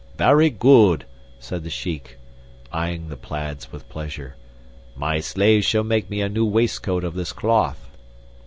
"Very good!" said the Shiek, eyeing the plaids with pleasure. "My slaves shall make me a new waistcoat of this cloth."